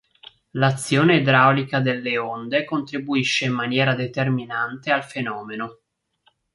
L'azione idraulica delle onde contribuisce in maniera determinante al fenomeno.